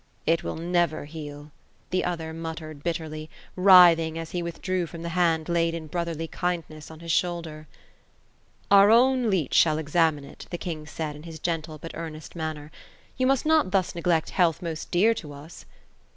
" It will never heal ;" the other muttered, bitterly ; writhing, as he withdrew from the hand laid in brotherly kindness on his shoulder. ^ Our own leech shall examine it;" the king said, in his gentle but earnest manner. " You must not thus neglect health most dear to us."